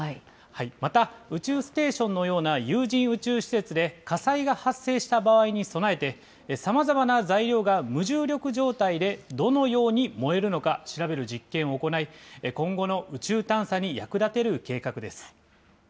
また、宇宙ステーションのような有人宇宙施設で火災が発生した場合に備えて、さまざまな材料が無重力状態でどのように燃えるのか、調べる実験を行い、今後の宇宙探査に役立てる計画です。